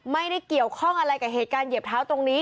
ไม่ได้เกี่ยวข้องอะไรกับเหตุการณ์เหยียบเท้าตรงนี้